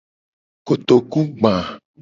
Kotokugba.